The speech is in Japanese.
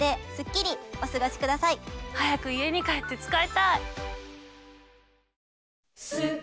早く家に帰って使いたい！